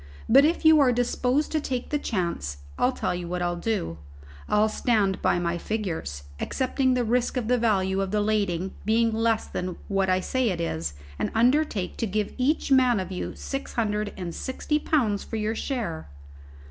But if you are disposed to take the chance, I'll tell you what I'll do; I'll stand by my figures, accepting the risk of the value of the lading being less than what I say it is, and undertake to give each man of you six hundred and sixty pounds for your share."